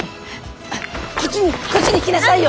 こっちにこっちに来なさいよ。